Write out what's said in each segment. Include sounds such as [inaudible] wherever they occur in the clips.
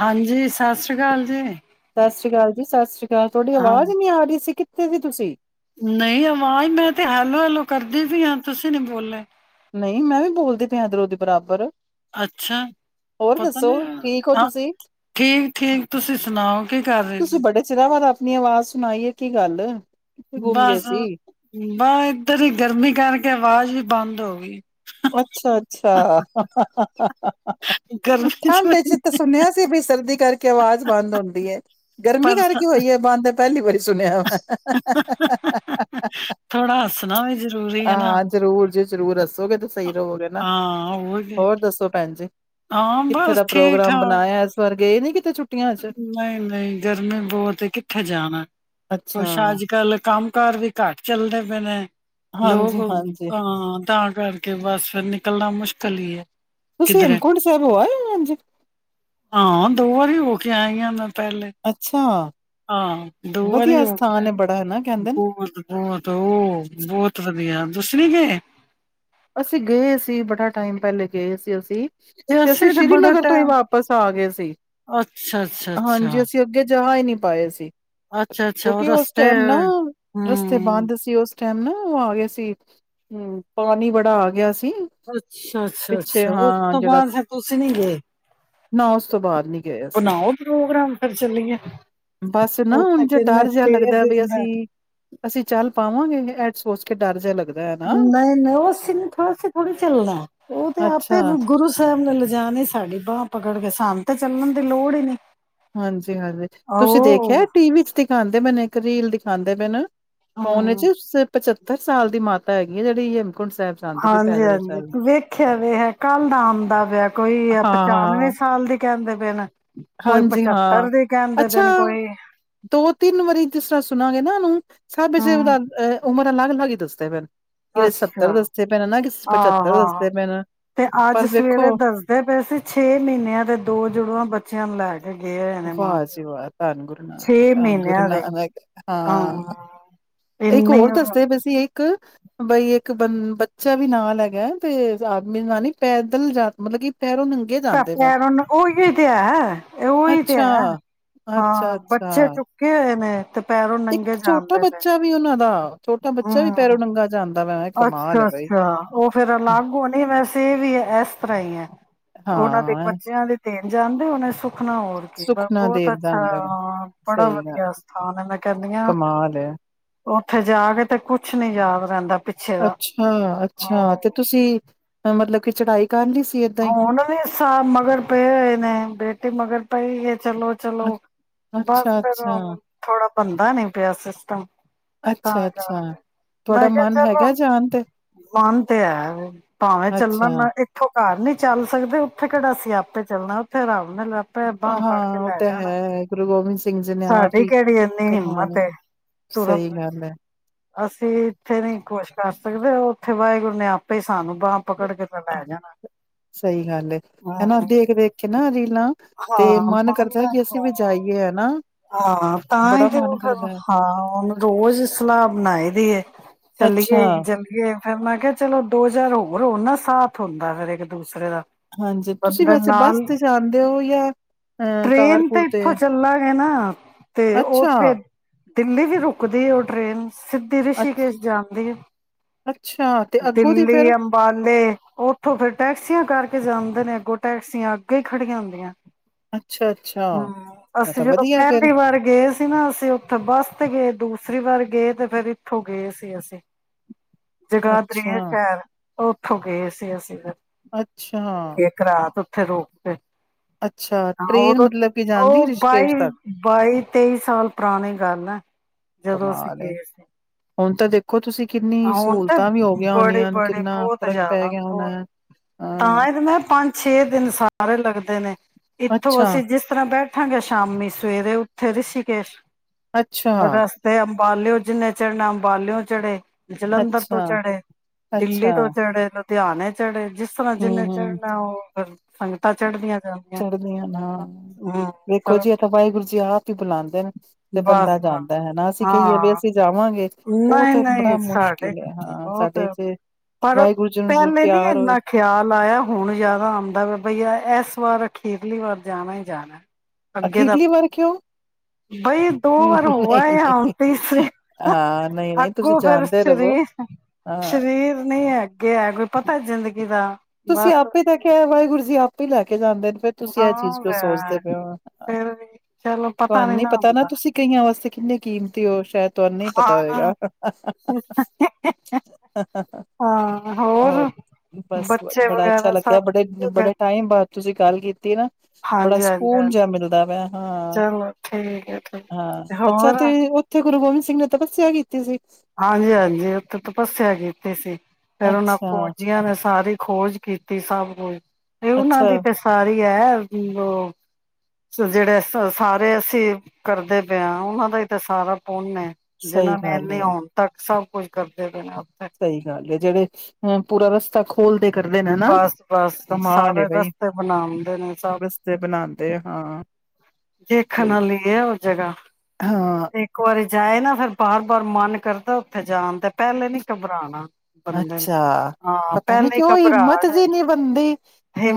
ਹਾਂਜੀ, ਸਤਿ ਸ੍ਰੀ ਅਕਾਲ ਜੀ ਸਤ ਸ਼੍ਰ ਅਕਾਲ ਸਤ ਸ਼੍ਰੀ। ਕ ਤੁਹਾਡੀ ਹਾਂ, ਆਵਾਜ਼ ਨੀ ਆ ਰਹੀ ਸੀ, ਕਿ- ਕਿੱਥੇ ਸੀ ਤੁਸੀਂ ਨਹੀਂ ਆਵਾਜ਼ ਮੈਂ ਤੇ ਹੈਲੋ ਹੈਲੋ ਕਰਦੀ ਪਈ ਆਂ, ਤੁਸੀਂ ਨੀ ਬੋਲੇ ਨਹੀਂ ਮੈਂ ਵੀ ਬੋਲਦੀ ਪਿਆ ਇਧਰੋਂ ਦੇ ਬਰਾਬਰ ਅੱਛਾ ਹੋਰ ਪਤਾ ਦੱਸੋ ਨੀ ਠੀਕ ਹੋ ਹੈ, ਤੁਸੀਂ ਠੀਕ ਠੀਕ ਤੁਸੀਂ ਸੁਣਾਓ ਕੀ ਕਰ ਰਹੇ ਤੁਸੀਂ ਸੀ ਬੜੇ ਚਿਰਾਂ ਬਾਅਦ ਆਪਣੀ ਆਵਾਜ਼ ਸੁਣਾਈਏ ਕੀ ਗੱਲ ਕਿੱਥੇ ਗੁੰਮ ਗਏ ਬਸ ਸੀ ਬਸ ਇਧਰ ਹੀ ਗਰਮੀ ਕਰਕੇ ਆਵਾਜ਼ ਵੀ ਬੰਦ ਹੋ ਗਈ ਅੱਛਾ ਅੱਛਾ ਗਰਮੀ ਠੰਡ ਚ ਵੀ ਤਾਂ ਸੁਣਿਆ ਸੀ ਵੀ ਸਰਦੀ ਕਰਕੇ ਆਵਾਜ਼ ਬੰਦ ਹੁੰਦੀ ਹੈ ਗਰਮੀ ਪਰ ਕਰਕੇ ਹੋਈ ਹੈ ਬੰਦ ਪਹਿਲੀ ਵਾਰੀ ਸੁਣਿਆ ਥੋੜਾ ਹੱਸਣਾ ਵੀ ਜ਼ਰੂਰੀ ਹੈ ਨਾ। ਹਾਂ ਜਰੂਰ ਜੀ ਜਰੂਰ ਦੱਸੋਗੇ ਤੁਸੀ ਹੋ ਨਾ ਹਾਂ, ਕੀ ਹੋਰ ਦੱਸੋ ਭੈਣ ਜੀ ਹਾਂ ਕਿੱਥੇ ਦਾ ਬਸ ਠੀਕ ਪ੍ਰੋਗਰਾਮ ਠਾਕ। ਬਣਾਇਆ ਇਸ ਹਫਤੇ ਪਰ ਗਏ ਨਹੀਂ ਕਿਤੇੁੱ ਛੁ ਨਹੀਂ ਨਹੀਂ ਗਰਮੀ ਬਹੁਤ ਕਿੱਥੇ ਜਾਣਾ, ਅੱਛਾ ਕੁਛ ਅੱਜ ਕੱਲ ਕੰਮ ਕਾਰ ਵੀ ਘੱਟ ਚੱਲਦੇ ਪਏ ਨੇ ਲੋਕ ਹਾਂਜੀ ਹਾਂਜੀ ਹਾਂ ਤਾਂ ਕਰਕੇ ਬਸ ਫਿਰ ਨਿਕਲ ਨਿਕਲਣਾ ਮੁਸ਼ਕਿਲ ਹੀ ਹੈ ਤੁਸੀਂ ਕਿੱਧਰੇ ਹੇਮਕੁੰਟ ਸਾਹਿਬ ਹੋ ਆਏ ਹੋ, ਹਾਂਜੀ ਹਾਂ ਦੋ ਵਾਰੀ ਹੋ ਤਆਹੀਆਂ ਮਾ ਅੱਛਾ ਹਾਂ ਦੋ ਵਾਰੀ ਵਧੀਆ ਹੋ ਸਥਾਨ ਗਿਆ ਹੈ ਬੜਾ ਹੈ ਨਾ ਕਹਿੰਦੇ ਨੇ ਬਹੁਤ ਬਹੁਤ ਉਹ ਬਹੁਤ ਵਧੀਆ ਤੁਸੀਂ ਨਹੀਂ ਗੇ ਅਸੀਂ ਗਏ ਸੀ ਬੜਾ ਟਾਈਮ ਪਹਿਲੇ ਗਏ ਸੀ ਅਸੀਂ ਤੇ ਅਸੀਂ ਸ੍ਰੀਨਗਰ ਤੋਂ ਹੀ ਵਾਪਿਸ ਆ ਗਏ ਸੀ ਅੱਛਾ ਅੱਛਾ ਅੱਛਾ ਹਾਂਜੀ ਅਸੀਂ ਅੱਗੇ ਜਾ ਨਹੀਂੀ ਪਾਏ ਸੀ ਅੱਛਾ ਅੱਛਾ ਉਹ ਕਿਉਂਕਿ ਉਸ ਰਸਤੇ ਟਾਈਮ ਨਾ ਰਸਤੇ ਹਮ ਬੰਦ ਸੀ ਉਸ ਟਾਈਮ ਨਾ ਉਹ ਆ ਗਿਆ ਸੀ ਹਮ ਪਾਣੀ ਬੜ ੜਾ ਆ ਗਿਆ ਸੀ ਅੱਛਾ ਅੱਛਾ ਪਿੱਛੇ ਅੱਛਾ ਉਸ ਹਾਂ ਤੋਂ ਜਿਹੜਾ ਬਾਅਦ ਫਿਰ ਤੁਸੀਂ ਨੀ ਗਏ ਨਾ ਉਸ ਤੋਂ ਬਾਅਦ ਨੀ ਗਿਆ ਸੀ ਬਣਾਓ ਪ੍ਰੋਗਰਾਮ ਫਿਰ ਚੱਲੀਏ ਬਸ ਨਾ ਹੁਣ ਉੱਥੇ ਜੇ ਕਹਿੰਦੇ ਡਰ ਜਿਹਾ ਛੇ ਲੱਗਦਾ ਵੀ ਦਿਨ ਦਾ ਅਸੀਂ ਅਸੀਂ ਚੱਲ ਪਾਵਾਂਗੇ ਸੋਚ ਕੇ ਡਰ ਜਿਹਾ ਲੱਗਦਾ ਹੈ ਨਾ ਹ ਨਹੀਂ ਨਹੀਂ ਉਹ ਥੋੜਾ ਥੋੜ੍ਹੀ ਚੱਲਣਾ ਉਹ ਤੇ ਅੱਛਾ ਆਪੇ ਗੁਰੂ ਸਾਹਿਬ ਨੇ ਜਾ ਨਹੀਂ ਸਾਡੀ ਬਾਂਹ ਪਕੜ ਕੇ ਸਾਨੂੰ ਤਾਂ ਚੱਲਣ ਦੀ ਲੋੜ ਹੀ ਨੀ ਹਾਂਜੀ ਹਾਂਜੀ ਤੁਸੀਂ ਦੇਖਿਆ ਉਹ ਟੀ ਵੀ ਚ ਦਿਖਾਉਂਦੇ ਮੈਨੇ ਰੀਲ ਦਿਖਾਉਂਦੇ ਪਏ ਨਾ ਫੋਨ ਚ ਹਮ ਸੱਤਰ ਸਾਲ ਦੀ ਮਾਤਾ ਹੈਗੀ ਆ ਜਿਹੜੀ ਸਾਹਿਬ ਜਾਂਦੀ ਪਈ ਹਾਂਜੀ ਪੈਦਲ ਹਾਂਜੀ ਸਾਹਿਬ ਤੂੰ ਵੇਖਿਆ ਵੇ ਹੈ ਕੱਲ ਦਾ ਆਉਂਦਾ ਪਿਆ ਕੋਈ ਆ ਹਾਂ ਪਚਾਨਵੇਂ ਹਾਂ ਸਾਲ ਦੀ ਕਹਿੰਦੇ ਪਏ ਨਾ ਹਾਂਜੀ ਹਾਂ ਅੱਛਾ ਦੋ ਤਿੰਨ ਵਾਰੀ ਜਿਸ ਤਰ੍ਹਾਂ ਸੁਣਾਂਗੇ ਨਾ ਉਹਨੂੰ ਸਭੇ ਹਮ ਉਹਦਾ ਉਮਰ ਅਲੱਗ ਹਾਂਜੀ ਦੋਸਤੋ ਅੱਛਾ ਆਹ ਪਚੱਤਰ ਆ ਦੱਸਦੇ ਪਏ ਨੇ ਤੇ ਅੱਜ ਪਰ ਵੇਖੋ ਸਵੇਰੇ ਦੱਸਦੇ ਪਏ ਸੀ ਛੇ ਮਹੀਨਿਆਂ ਦੇ ਦੋ ਜੁੜੂਵ ਬੱਚਿਆਂ ਨੂੰ ਲੈ ਕੇ ਗਏ ਹੋਏ ਨੇ ਮਾਂ ਵਾਹ ਪਿਓ ਜੀਵਾਾਹ ਧੰਨ ਗੁਰੂ ਨਾਨਕ ਛੇ ਧੰਨ ਗੁਰੂ ਮਹੀਨਿਆਂ ਦੇ ਨਾਨਕ ਹਾਂ ਇੱਕ ਹੋਰ ਇੰਨੇ ਦੱਸੇ ਵੀਸੀ ਇੱਕ ਬਈ ਇੱਕ ਬੰ ਬੱਚਾ ਵੀ ਨਾਲ ਹੈਗਾ ਤੇ ਆਦਮੀ ਨਾਲ ਨੀ ਪੈਦਲ ਜਾ ਮਤਲਬ ਕਿ ਪੈਰੋਂ ਨੰਗੇ ਜਾਂਦੇ ਪਏ। ਪਿਆਰਨ ਉਹੀਹੀ ਤੇ ਹੈ ਉਹੀ ਅੱਛਾ, ਅੱਛਾ, ਹਾਂ ਬੱਚੇ ਅੱਛਾ ਚੁੱਕੇ ਨ ਇੱਕ ਛੋਟਾ ਬੱਚਾ ਵੀ ਉਹਨਾ ਦਾ ਛੋਟਾ ਬੱਚਾ ਵੀ ਹਮ ਪੈਰੋ ਨੰਗਾ ਜਾਂ ਆਂਦਾ ਅੱਛਾ ਅੱਛਾ ਉਹ ਫੇਰ ਅਲੱਗ ਹੋਣੀ ਵੈਸੇ ਇਹ ਵੀ ਇਸ ਤਰ੍ਹਾਂ ਹੀ ਹੈ ਉਹਨਾਂ ਦੇ ਹਾਂ, ਬੱਚਿਆਂ ਦੀ ਦੇਣ ਜਾਂਦੇ ਉਹਨੇ ਖਣਾ ਹੋਰ ਕੀ ਸੁੱਖ ਨਾ ਬਹੁਤ ਦੇਣ ਅੱਛਾ ਜਾਂਦਾ ਵਾ, ਬੜਾ ਸਹੀ ਗੱਲ ਵਧੀਆ ਸਥਾਨ ਆ ਮੈਂ ਕਹਿੰਦੀ ਹ ਕਮਾਲ ਹੈ। ਉੱਥੇ ਜਾ ਕੇ ਤੇ ਕੁਛ ਨੀ ਯਾਦ ਰਹਿੰਦਾ ਪਿੱਛੇ ਦਾ ਅੱਛਾ ਅੱਛਾ ਤੇ ਤੁਸੀਂ ਅ ਮਤਲਬ ਕਿ ਚੜਾਈ ਕਰ ਲਈ ਸੀ ਏਦਾਂ ਹੀ। ਹੁਣ ਵੀ ਸਾ ਮਗਰ ਪਏ ਹੋਏ ਨੇ, ਬੇਟੀ ਮਗਰ ਪਈ ਹੈ ਚਲੋ ਚਲੋ ਬਸ ਅੱਛਾ, ਅੱਛਾ, ਫਿਰ [unintelligible] ਥੋੜਾ ਬਣਦਾ ਨੀ ਪਿਆ ਸਿਸਟਮ ਅੱਛਾ, [unintelligible] ਅੱਛਾ ਤੁਹਾਡਾ ਮੈਂ ਕਿਹਾ ਮਨ ਚਲੋ ਹੈਗਾ ਜਾਣ ਤੇ ਮਨ ਤੇ ਹੈ ਭਾਵੇਂ ਅੱਛਾ। ਚੱਲਣ ਨ ਇੱਥੋਂ ਘਰ ਨੀ ਚੱਲ ਸਕਦੇ ਉੱਥੇ ਕਿਹੜਾ ਅਸੀਂ ਆਪੇ ਚੱਲਣਾ ਉੱਥੇ ਰੱਬ ਨੇ ਲੜ ਭੈਬਾਂ ਫੜ ਕੇ ਹਾਂ ਉਹ ਲੈ ਤਾਂ ਜਾਣਾ, ਹੈ ਗੁਰੂ ਗੋਬਿੰਦ ਸਿੰਘ ਜੀ ਨੇ ਆਪ ਸਾਡੀ ਹੀ ਕਿਹੜੀ ਇੰਨੀ ਕਰਵਾਣੇ ਹਿੰਮਤ ਐ ਆ ਸਹੀ ਤੁਰੰਨਤ ਗੱਲ ਹੈ ਅਸੀਂ ਇੱਥੇ ਨੀ ਕੁਸ਼ ਕਰ ਸਕਦੇ ਉਹ ਉੱਥੇ ਵਾਹਿਗੁਰੂ ਨੇ ਆਪੇ ਸਾਨੂੰ ਬਾਂਹ ਪਕੜ ਕੇ ਤਾਂ ਲੈ ਜਾਣਾ ਸਹੀ ਗੱਲ ਹੈ ਹਾਂ ਹਨਾ ਦੇਖ ਦੇਖ ਕੇ ਨਾ ਰੀਲਾਂ [unintelligible] ਤੇ ਹਾਂ ਮਨ ਕਰਦਾ ਕਿ ਹ ਅਸੀਂ ਵੀ ਜਾਈਏ ਹਨਾ ਹਾਂ ਤਾਂ ਬੜਾ ਹੀ ਤੇ ਹਾਂ ਉਹ ਮਨ ਫਿਰ ਕਰਦਾ ਹੈ ਹਾਂ ਉਹਨੂੰ ਰੋਜ਼ ਸਲਾਹ ਬਣਾਈ ਦੀ ਅੱਛਾ ਚੱਲੀਏ ਚੱਲੀਏ ਫਿਰ ਮੈਂ ਕਿਹਾ ਚਲੋ ਦੋ ਚਾਰ ਹੋਰ ਹੋ ਨਾ ਸਾਥ ਹੁੰਦਾ ਫੇਿਰ [unintelligible] ਦੂਸਰੇ ਦਾ ਹਾਂਜੀ ਤੁਸੀਂ ਬੰਦਰ ਵੈਸੇ ਬੱਸ ਨਾਲ ਤੇ ਜਾਂਦੇ ਹੋ ਜਾਂ ਅ ਕਾਰ ਟ੍ਰੇਨ ਤੇ ਕੂਰ ਇੱਥੋਂ ਚੱਲਾਂਗੇ ਨਾ ਤੇ ਅੱਛਾ ਉਹਥੇ ਦਿੱਲੀ ਵੀ ਰੁਕਦੀ ਉਹ ਟ੍ਰਰੇਨ ਸਿੱਧੀ ਅ ਰਿਸ਼ੀਕੇਸ਼ ਜਾਣਦੀ ਆ, ਅੱਛਾ ਤੇ ਅੱਗੋਂ ਦੀ ਦਿੱਲੀ ਫੇਰ ਅੰਬਾਲੇ ਉੱਠੋ ਫਿਰ ਕਰਕੇ ਜਾਂਦੇ ਨੇ, ਅੱਗੋਂ ਟੈਕਸੀਆਂ ਅੱਗੇ ਹੀ ਖੜੀਆਂ ਹੁੰਦੀਆਂ ਅੱਛਾ ਅੱਛਾ ਹਮ, ਇਹ ਅਸੀਂ ਤਾਂ ਜਦੋਂ ਵਧੀਆ ਫੇਰ ਪਹਿਲੀ ਵਾਰ ਗਏ ਸੀ ਨਾ ਅਸੀਂ ਉੱਥੇ ਬੱਸ ਤੇ ਗਏ ਦੂਸਰੇ ਸਰੀ ਵਾਰ ਗਏ ਤੇ ਫਿਰ ਇੱਥੋਂ ਗਏ ਸੀ ਅਸੀਂ ਜਗਾਧਰੀ ਅੱਛਾ ਹੈ ਸ਼ਹਿਰ ਉੱਥੋਂ ਗਏ ਸੀ ਅਸੀਂ ਫਿਰ ਅੱਛਾਆ ਇੱਕ ਰਾਤ ਉੱਥੇ ਰੋਕਤੇ ਹਾਂ ਟ੍ਰੇਨ ਉਦੋ, ਮਤਲਬ ਕਿ ਜਾਂਦੀ ਉਹ ਰਿਸ਼ੀਕੇਸ਼ ਬਾਈ ਤੱਕ ਬਾਈ ਤੇਈ ਸਾਲ ਪੁਰਾਣੀ ਗੱਲ ਆ ਕਮਾਲ ਐ, ਹੁਣ ਤਾਂ ਦੇਖੋ ਤੁਸੀਂ ਕਿੰਨੀ ਹੁਣ ਤੇ ਸਹੂਲਤਾਂ ਵੀ ਹੋਗੀਆਂ ਬੜੇ ਹੋਣੀਆਂ ਤ ਬੜੇ ਕਿੰਨਾ ਬਹੁਤ ਫ਼ਰਕ ਪੈ ਜ਼ਿਆਦਾ ਗਿਆ ਬਹੁਤ ਹੋਣਾ ਤਾਂ ਹਾਂ, ਇਹ ਤੇ ਮੈਂ ਪੰਜ ਛੇ ਦਿਨ ਸਾਰੇ ਲੱਗਦੇ ਨੇ ਇੱਥੋਂ ਅੱਛਾ, ਅਸੀਂ ਜਿਸ ਤਰ੍ਹਾਂ ਬੈਠ [unintelligible] ਗੇ ਸ਼ਾਮੀ ਸਵੇਰੇ ਉੱਥੇ ਰਿਸ਼ੀਕੇਸ਼ ਅੱਛਾ, ਰਸਤੇ [unintelligible] ਬਲਿਓਂ ਜਿੰਨੇ ਚੜਨਾ ਅੰਬਲਿਓਂ ਚੜ੍ਹੇ ਜਲੰਧਰ ਤੋਂ ਅੱਛਾ, ਚੜੇ, ਦਿੱਲੀ ਅੱਛਾ। ਤੋਂ ਚੜੇ ਧਿਆਨ ਏ ਚੜੇ ਜਿਸ ਤਰ੍ਹਾਂ ਹੂੰ, ਜਿੰਨੇ ਹੂੰ ਚੜਨਾ ਉਹ ਕਰ ਸੰਗਤਾਂ ਚੜਦੀਆਂ ਚੜ੍ਹਦੀਆਂ ਹਾਂ ਵੇਖੋ ਫਿਰ ਜੀ ਇਹ ਤਾਂ ਵਾਹਿਗੁਰੂ ਜੀ ਆਪ ਹੀ ਬੁਲਾਉਂਦੇ ਨੇ ਤੇ ਬਸ ਬੰਦਾ ਬਸ ਜਾਂਦਾ ਹੈਾ ਅਸੀਂ ਕਹੀਏ ਵੀ ਹਾਂ ਅਸੀਂ ਜਾਵਾਂਗੇ ਉਹ ਨਹੀਂ ਤਾਂ ਨਹੀਂ ਬੜਾ ਸਾਡੇ ਮੁਸ਼ਕਿਲ ਹੈ, ਹਾਂ ਬਹੁ ਸਾਡੇ ਤੇ ਚ ਪਰ ਵਾਹਿਗੁਰੂ ਜੀ ਨੂੰ ਜੇ ਪਹਿਲੇ ਨੀ ਪਿਆਰ ਹੋਏ, ਇੰਨਾ ਖਿਆਲ ਆਇਆ ਹੁਣ ਜਿਆਦਾ ਆਉਂਦਾ ਵ ਬਈਆ ਇੱਕ ਵਾਰ ਅਖੀਰਲੀ ਵਾਰ ਜਾਣਾ ਹੀ ਜਾਣਾ ਅੱਗੇ ਦਾ ਅਖੀਰਲੀ ਵਾਰ ਕਿਉਂ ਬਈ ਦੋ ਵਾਰ ਨਹੀਂ, ਹੋਆ ਹਣ ਨਹੀਂ। ਤੇ ਹਾਂ, ਨਹੀਂ, ਨਹੀਂ ਤੁਸੀਂ ਅੱਗੋਂ ਫਿਰ ਜਾਣਦੇ ਰਵੋ ਸ਼ਰੀਰ ਹਾਂ। ਸ਼ਰੀਰ ਨੇ ਨਹੀਂ ਅੱਗੇ ਹੈ ਕੋਈ ਪਤਾ ਜ਼ਿੰਦਗੀ ਦਾ ਤੁਸੀਂ ਬਸ ਆਪੇ ਤਾਂ ਕੇ ਆ ਵਾਹਿਗੁਰੂ ਜੀ ਆਪੇ ਲੈ ਕੇ ਜਾਂਦੇ ਨੇ ਫਿਰ ਤੁਸੀਂ ਇਹ ਚੀਜ਼ ਹਾਂ ਜੋ ਵੈ ਸੋਚਦੇ ਪਏ ਹੋ ਫਿਰ ਵੀ ਚਲੋ ਤੁਹਾਨੂੰ ਨੀ ਪਤਾ ਨਾ ਹੁੰਦਾ ਤੁਸੀਂ ਕਈਆਂ ਵਾਸਤੇ ਕਿੰਨੀ ਕੀਮਤੀ ਹੋ ਸ਼ਾਇਦ ਤੁਹਾਨੂੰ ਨ ਪਤਾ ਹਾਂ ਹੋਏਗਾ ਹੋਰ ਬਸ ਬੱਚੇ ਬੜਾ ਅੱਛਾ ਵਗੈਰਾ ਲੱਗਿਆ ਸਭ ਬੜੇ ਬੜੇ ਟਾਈਮ ਬਾਅਦ ਤੁਸੀਂ ਗੱਲ ਕੀਤੀ ਨਾ ਬੜਾ ਹਾਂਜੀ ਹਾਂਜੀ ਸਕੂਨ ਹਾਂਜੀ ਜਿਹਾ ਮਿਲਦਾ ਵਾ ਹਾਂ ਚਲੋ ਠੀਕ ਹੈ ਠੀਕ ਹਾਂ ਅੱਛਾ ਹੋਰ ਤੇ ਉੱਥੇ ਗੁਰੂ ਗੋਬਿੰਦ ਸਿੰਘ ਨੇ ਤਪੱਸਿਆ ਕੀਤੀ ਸੀ ਹਾਂਜੀ ਹਾਂਜੀ ਉੱਥੇ ਤਪੱਸਿਆ ਕੀਤੀ ਸੀ ਫੇਿਰ ਉਹਨਾਂ ਅੱਛਾ ਫੌਜੀਆਂ ਨੇ ਸਾਰੀ ਖੋਜ ਕੀਤੀ ਸਭ ਹਾਂ ਉਹਨਾਂ ਅੱਛਾ ਦੀ ਤੇ ਸਾਰੀ ਹੈ ਉਹ ਜਿਹੜੇ ਸਾਰੇ ਅਸੀਂ ਕਰਦੇ ਪਏ ਹਾਂ ਉਹਨਾਂ ਦਾ ਹੀ ਤਾਂ ਸਾਰਾ ਨੇ ਸਹੀ ਜਿਹਨਾ ਨੇ ਗੱਲ ਹੈ ਇਨੇ ਆਉਣ ਤੱਕ ਸਭ ਕੁਝ ਕਰਦੇ ਪਣਾ ਸਹੀ ਗੱਲ ਹੈ ਜਿਹੜੇ ਏ ਪੂਰਾ ਰਸਤਾ ਖੋਲਦੇ ਕਰਦੇ ਨੇ ਨਾ ਬਸ ਬਸ ਕਮਾਲ ਏ ਸਾਰੇ ਬਈ ਰਸਤੇ ਬਣਾਉਂਦੇ ਨੇ ਸਭ ਰਸਤੇ ਬਣਾਉਂਦੇ ਹਾਂ ਦੇਖਣ ਵਾਲੀ ਹੈ ਉਹ ਜਗ੍ਹਾ ਹਾਂ, ਇੱਕ ਵਾਰੀ ਜਾਏ ਨਾ ਫੇਿਰ ਬਾਰ ਬਾਰ ਮਨ ਕਰਦਾ ਉੱਥੇ ਜਾਣ ਤੇ ਪਹਿਲੇ ਨੀ ਘਬਰਾਉਣਾ ਅੱਛਾ ਪਤਾ ਨੀ ਕਿ ਹੀ ਉਹ ਘਬਰਾ ਹਿੰਮਤ ਜਿ ਨਹੀਂ ਬਣਦੀ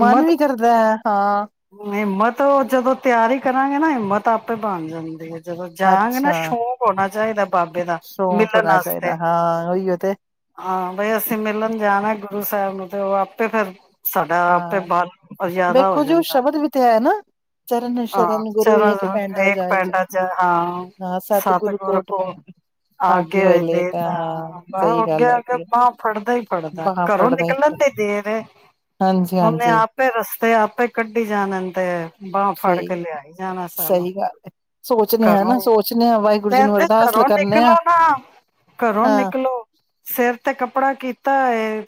ਮਨ ਵੀ ਕਰਦਾ ਹੈ ਹਾਂ ਹਿੰਮਤ ਜਦੋਂ ਤਿਆਰੀ ਕਰਾਂਗੇ ਨਾ ਹਿੰਮਤ ਆਪੇ ਬਣ ਜਾਂਦੀ ਹੈ ਜਦੋਂ ਜਾਨਾ ਅੱਛਾ। ਸ਼ੌਂਕ ਉਹਨਾਂ ਚਾਹੀਦਾ। ਬਾਬੇ ਦਾ ਸ਼ੌਕ ਮਿਲਣ ਹੋਣਾ ਵਾਸਤੇ ਚਾਹੀਦਾ, ਹਾਂ ਉਹੀਓ ਤੇ ਹਾਂ ਬਈ ਅਸੀਂ ਮਿਲਣ ਜਾਣਾ ਗੁਰੂ ਪਤਾ ਉਹਨੂੰ ਤੇ ਉਹ ਆਪੇ ਫਿਰ ਸਾਡਾ ਆਪੇ ਹਾਂ, ਬਲ ਜ਼ਿਆਦਾ ਹੋ ਵੇਖੋ ਜੀ ਓਹ ਜਾਂਦਾ ਸ਼ਬਦ ਵੀ ਤੇ ਹੈ ਨਾ। ਹਾਂ ਸ਼ਰਨ ਗੁਰੂ ਏਕ ਚਲੋ ਪੈਂਡਾ ਜਾਏ ਜਾ ਪਿੰਡ ਚ ਹਾਂ ਸਤਿਗੁਰੂ ਸਤਿਗੁਰ ਕੋਟ ਕੋ ਪੈਂਡਾ। ਆਗੇ ਹੋਏ ਲੇ ਦੇ ਹਾਂ ਤਾਂ ਸਹੀ ਗੱਲ ਅੱਗੇ ਅੱ ਹੈਗੀ ਏ। ਬਾਂਹ ਫੜਦਾ ਹੀ ਫੜਦਾ ਬਾਂਹ ਘਰੋਂ ਫੜਦਾ ਨਿਕਲਣ ਇੱਕ ਦੇ ਦੇਰ। ਹਾਂਜੀ ਉਹਨੇ ਹਾਂਜੀ ਆਪੇ ਰਸਤੇ ਆਪੇ ਕੱਢੀ ਜਾਣ ਦੇ ਬਾਂਹ ਫੜ ਸਹੀ ਕੇ ਜਾਣਾ ਸਾਨੂੰ ਸਹੀ ਗੱਲ ਏ। ਸੋਚਣੇ ਆ ਘਰੋਂ ਨਾ ਸੋਚਣੇ ਆ ਵਾਹਿਗੁਰੂ ਜੀ ਨੂੰ ਕਹਿੰਦੇ ਅਰਦਾਸ ਲ- ਘਰੋਂ ਕਰਨੇ ਆ ਨਿਕਲੋ ਨਾ ਘਰੋਂ ਹਾਂ ਨਿਕਲੋ ਸਿਰ ਤੇ ਕੱਪੜਾ ਕੀਤਾ।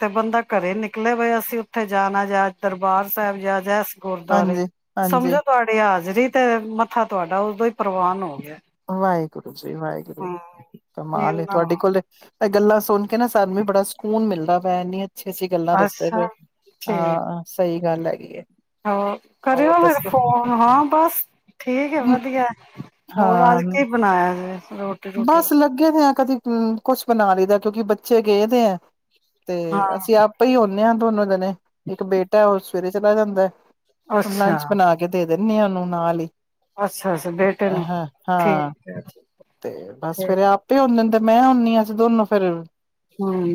ਤੇ ਬੰਦਾ ਘਰੇ ਨਿਕਲੇ ਪਏ ਅਸੀਂ ਉੱਥੇ ਜਾਣਾ ਜਾ ਦਰਬਾਰ ਸਾਹਿਬ ਜਾ ਜਾ ਗੁਰਦੁਆਰੇ ਹਾਂਜੀ ਹਾਂਜੀ। ਸਮਝੋ ਤੁਹਾਡੇ ਹਾਜ਼ਰੀ ਤੇ ਮੱਥਾ ਤੁਹਾਡਾ ਉਦੋਂ ਹੀ ਪ੍ਰਵਾਨ ਹੋ ਗਿਆ। ਵਾਹਿਗੁਰੂ, ਜੀ ਵਾਹਿਗੁਰੂ ਹੂੰ ਕਮਾਲ ਆ ਇਨਾ ਤੁਹਾਡੇ ਕੋਲੇ ਇਹ ਗੱਲਾਂ ਸੁਣ ਕੇ ਨਾ ਸਾਨੂੰ ਬੜਾ ਸਕੂਨ ਮਿਲਦਾ ਪਇਆ ਇਹਨੀ ਅੱਛਾ ਠੀਕ ਹਾਂ ਸਹੀ ਗੱਲ ਹੈਗੀ ਹੈ ਹੋਰ ਕਰਿਓ ਹੋਰ ਫੇਰ ਦੱਸੋ ਫੋਨ ਹਾਂ ਬਸ ਠੀਕ ਹੈ ਵਧੀਆ। ਹੋਰ ਅੱਜ ਹਾਂ ਕੀ ਬਣਾਇਆ ਜੇ। ਰੋਟੀ ਰੂਟੀ ਬਸ ਲੱਗੇ ਤੇ ਕਦੀ ਕੁਛ ਬਣਾ ਲਈਦਾ ਕਿਉਂਕਿ ਬੱਚੇ ਗਏ ਪਏ ਐ। ਤੇ ਹਾਂ ਅਸੀਂ ਆਪੇ ਹੀ ਹੁੰਨੇ ਆ। ਦੋਨੋਂ ਜਨੇ। ਇੱਕ ਬੇਟਾ ਉਸ ਸਵੇਰੇ ਚਲਾ ਜਾਂਦਾ। ਅੱਛਾ ਲੰਚ ਬਣਾ ਕੇ ਦੇ ਦਿਨੀ ਆ ਓਹਨੂੰ ਨਾਲ ਹੀ ਅੱਛਾ ਅੱਛਾ ਬੇਟੇ ਨੂੰ ਹਾਂ ਹਾਂ ਠੀਕ ਹੈ। ਤੇ ਬਸ ਠੀਕ ਫਵੇਰੇ ਆਪੇ ਹੁੰਦੇ [unintelligible] ਆ ਅਸੀਂ ਦੋਨੋਂ ਫੇਰ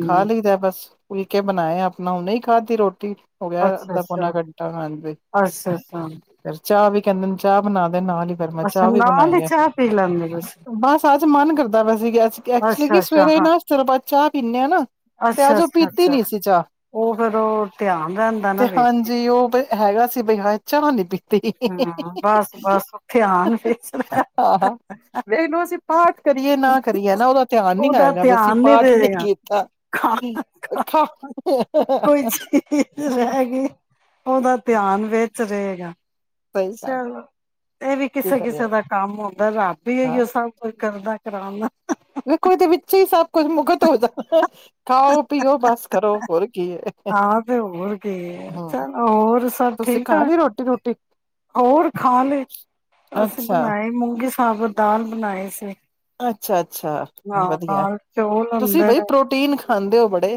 ਖਾ ਲਈਦਾ ਬਸ ਫੁਲਕੇ ਬਣਾਇਆ ਆਪਣਾ ਹੁਨੇ ਹੀ ਖਾਧੀ ਰੋਟੀ ਹੋਗਿਆ ਅੱਧਾ ਅੱਛਾ-ਅੱਛਾ, ਪੌਨਾ ਘੰਟਾ ਹਾਂਜੀ, ਅੱਛਾ-ਅੱਛਾ, ਫਿਰ ਚਾਹ ਵੀ ਕਹਿੰਦੇ ਨੇ ਚਾਹ ਬਣਾ ਦੇ ਨਾਲ ਹੀ ਫਿਰ ਮੈਂ ਅੱਛਾ ਚਾਹ ਵੀ ਨਾਲ ਬਣਾਈ ਹੀ ਹੈ ਚਾਹ ਪੀ ਲੈਂਦੇ ਤੁਸੀ ਬਸ ਅੱਜ ਮਨ ਕਰਦਾ ਪਿਆ ਸੀ ਕਿ ਐਕਚੁਲੀ ਕਿ ਸਵੇਰੇ ਸਿਰਫ ਚਾਹ ਪਿਨੇ ਆ ਨਾ ਤੇ ਅੱਛਾ ਅੱਜ ਉਹ ਅੱਛਾ ਪੀਤੀ ਅੱਛਾ, ਨੀ ਸੀ ਚਾਹ ਉਹ ਫੇਰ ਉਹ ਧਿਆਨ ਰਹਿੰਦਾ ਨਾ ਤੇ ਵਿੱਚ ਹੀ ਹਾਂਜੀ ਉਹ ਹੈਗਾ ਸੀ ਬਈ ਹਾਏ ਚਾ ਨੀ ਪੀਤੀ ਹਮ ਬਸ-ਬਸ ਉ ਧਿਆਨ ਵਿੱਚ ਰੇਂਦਾ ਇਹਨੂੰ ਅਸੀਂ ਪਾਠ ਕਰੀਏ ਨਾ ਕਰੀਏ ਨਾ ਉਹਦਾ ਧਿਆਨ ਨੀ ਉਹਦਾ ਆਏਗਾ ਵੀ ਅਸੀਂ ਧਿਆਨ ਨੀ ਪਾਠ ਨਹੀਂ ਰਹੇਗਾ। ਕੀਤਾ ਖਾ ਕੋਈ ਚੀਜ਼ ਰਹਿ ਗਈ ਉਹਦਾ ਧਿਆਨ ਵਿੱਚ ਰਹੇਗਾ ਸਹੀ ਗੱਲ ਹੈ ਚੱਲੋ ਇਹ ਵੀ ਕੀ ਕਿਸੇ-ਕਿਸੇ ਕਰੀਏ ਦਾ ਕੰਮ ਹੁੰਦਾ ਰੱਬ ਹੀ ਇਹੀਓ ਸਭ ਹਾਂ ਕੁਝ ਕਰਦਾ [unintelligible] ਵੇਖੋ ਇਦੇ ਵਿੱਚ ਹੀ ਸਭ ਕੁਝ ਮੁਗਤ ਹੋ ਜਾਂਦਾ ਖਾਓ ਪੀਓ ਬਸ ਕਰੋ ਹੋਰ ਕੀ ਹੈ ਆਹ ਤੇ ਹੋਰ ਕੀ ਹੂੰ ਚਲ ਹੋਰ ਸਭ ਤੁਸੀਂ ਠੀਕ ਖਾ ਠਾਕ ਲਈ ਰੋਟੀ ਰੋਟੀ ਹੋਰ ਖਾ ਲਏ ਅਸੀਂ ਅੱਛਾ ਬਣਾਏ ਮੂੰਗੀ ਸਾਬਤ ਦਾਲ ਬਣਾਏ ਸੀ। ਅੱਛਾ-ਅੱਛਾ ਨਾਲ ਵਧੀਆ ਨਾਲ ਚੌਲ ਤੁਸੀ ਹੁੰਦੇ ਬਾਈ ਨੇ ਪ੍ਰੋਟੀਨ ਖਾਂਦੇ ਹੋ ਬੜੇ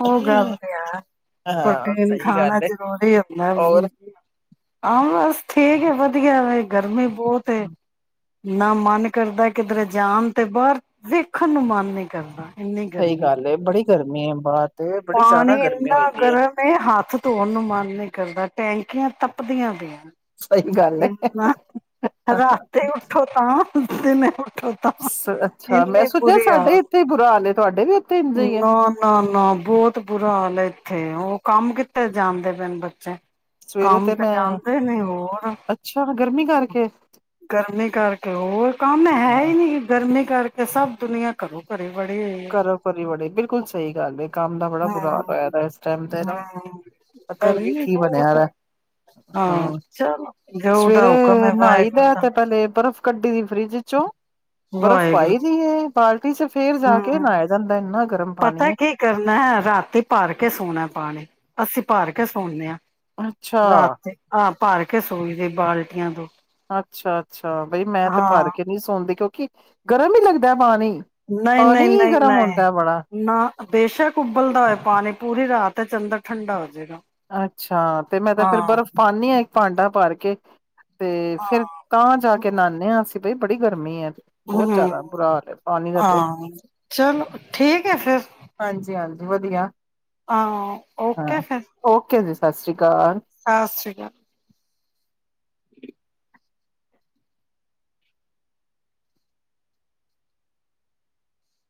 ਉਹ ਗੱਲ ਤੇ ਹੈ ਹਾਂ ਪ੍ਰੋਟੀਨ ਸਹੀ ਗੱਲ ਖਾਣਾ ਹੈ ਜ਼ਰੂਰੀ ਹੁੰਦਾ ਹੋਰ ਆ ਬਸ ਠੀਕ ਹੈ। ਵਧੀਆ ਗਰਮੀ ਬਹੁਤ ਐ ਨਾ ਮਨ ਕਰਦਾ ਕਿਧਰੇ ਜਾਣ ਤੇ ਬਾਹਰ ਵੇਖਣ ਨੂੰ ਮਨ ਨਹੀਂ ਕਰਦਾ ਇੰਨੀ ਸਹੀ ਗਰਮੀ, ਗੱਲ ਹੈ ਬੜੀ ਗਰਮੀ ਹੈ ਬਾਹਰ ਤੇ ਬੜੀ ਪਾਣੀ ਜ਼ਿਆਦਾ ਗਰਮੀ ਇੰਨਾ ਹੋਈ ਦੀ ਹੈ ਗਰਮ ਹੱਥ ਧੋਣ ਨੂੰ ਮਨ ਨੀ ਕਰਦਾ ਟੈਂਕੀਆਂ ਤੱਪਦੀਆਂ ਪੀਆਂ ਸਹੀ ਗੱਲ ਹੈ ਇਨਾ ਰਾਤੇ ਉਠੋ ਤਾਂ [unintelligible] ਅੱਛਾ ਮੈਂ ਸੋਚਿਆ ਸਾਡੇ ਬੁਰਾ ਹਾਲ ਹੈ ਤੁਹਾਡੇ ਵੀ ਉੱਥੇ ਇੰਝ ਹੀ ਹੈ ਨਾ, ਨਾ, ਨਾ, ਬਹੁਤ ਬੁਰਾ ਹਾਲ ਹੈ ਇੱਥੇ ਉਹ ਕੰਮ ਕਿੱਤੇ ਜਾਂਦੇ ਪੇਨ ਬੱਚੇ ਸਵੇਰੇ ਕੰਮ ਤੇ ਮੈਂ ਜਾਂਦੇ ਨੇ ਹੋਰ, ਅੱਛਾ ਗਰਮੀ ਕਰਕੇ ਗਰਮੀ ਕਰਕੇ ਹੋਰ ਕੰਮ ਹੈ ਹਾਂ ਹੀ ਨਹੀਂ ਗਰਮੀ ਕਰਕੇ ਸਭ ਦੁਨੀਆਂ ਕਰੋ। ਪਰੇ ਕਰੋ ਕਰੀ ਬੜੇ ਬਿਲਕੁਲ ਸਹੀ ਗੱਲ ਹੈ ਕੰਮ ਦਾ ਬੜਾ ਬੁਰਾ ਹਾਲ ਹੋਆ ਹੂੰ-ਹੂੰ ਦੈ ਏਸ ਟੈਮ ਤੇ ਨਾ ਪਤਾਈ ਨੀ ਗਰਮੀ ਕਿ ਬਣਿਆ ਬਹੁਤ ਹੈ ਦੈ ਹਾਂ ਹਮ ਚਲੋ ਜੋ ਉਹਦਾ ਸਵੇਰੇ ਹੁਕਮ ਹੈ ਨਾਈ ਵਾਹਿਗੁਰੂ ਦੈ ਦਾ ਤੇ ਪੈੱਲੇ ਬਰਫ਼ ਕੱਢੀਦੀ ਏ ਫ੍ਰਿਜ ਚੋ। ਕਯੋਂ ਬਰਫ਼ ਵਾਹਿਗੁਰੂ ਪਾਈ ਦੀ ਹੈ ਪਾ [unintelligible] ਫੇਰ ਜਾ ਹੂੰ ਜਾਂਦਾ ਇੰਨਾ ਗਰਮ ਪਤਾ ਪਾਣੀ ਏ ਕੀ ਕਰਨਾ ਹੈ ਰਾਤੀ ਭਰ ਕੇ ਸੋਣਾ ਏ ਪਾਣੀ। ਅਸੀਂ ਭਰ ਕੇ ਸੋਨੇ ਆਂ। ਅੱਛਾ ਰਾਤੀ ਆ। ਭਰ ਕੇ ਸੋਈ ਦੀ ਬਾਲਟੀਆਂ ਦੋ। ਅੱਛਾ-ਅੱਛਾ, ਬਈ ਮੈਂ ਤੇ ਭਰ ਕੇ ਨਹੀਂ ਸੋਂਦੀ ਕਿਉਂਕਿ ਗਰਮ ਈ ਲੱਗਦਾ ਏ ਪਾਣੀ। ਪਾਣੀ ਹੀ ਗਰਮ ਨਹੀਂ-ਨਹੀਂ-ਨਹੀਂ-ਨਹੀਂ, ਹੁੰਦਾ ਬੜਾ ਨਾ ਬੇਸ਼ਕ ਉਬਲਦਾ ਹੋਆ ਪਾਣੀ ਪੂਰੀ ਰਾਤ ਚਲਦਾ ਠੰਡਾ। ਜਾਏਗਾ ਅੱਛਾ, ਤੇ ਮੈਂ ਤੇ ਫੇਰ ਹਾਂ ਬਰਫ਼ ਪਾਨੀ ਹਾਂ ਭਾਂਡਾ ਭਾਰ ਕੇ। ਤੇ ਹਾਂ ਫਿਰ ਤਾਂ ਜਾ ਕੇ ਨਾਨੇ ਹਾਂ ਅਸੀਂ ਬਈ। ਬੜੀ ਗਰਮੀ ਹੈ। ਬਹੁਤ ਹਮ ਜ਼ਿਆਦਾ ਬੁਰਾ ਹਾਲ ਹੈ ਪਾਣੀ ਦਾ ਤੇ ਆਂ, ਚਲੋ ਠੀਕ ਹੈ ਫਿਰ। ਹਾਂਜੀ ਹਾਂਜੀ ਵਧੀਆ। ਹਾਂ ਓਕੇ ਹਾਂ ਫਿਰ। ਓਕੇ ਜੀ ਸਤ ਸ਼੍ਰੀ ਸਤਿ ਸ੍ਰੀ ਅਕਾਲ।